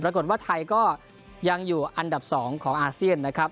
ปรากฏว่าไทยก็ยังอยู่อันดับ๒ของอาเซียนนะครับ